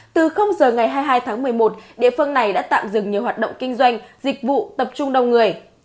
từ giờ ngày hai mươi hai tháng một mươi một địa phương này đã tạm dừng nhiều hoạt động kinh doanh dịch vụ tập trung đông người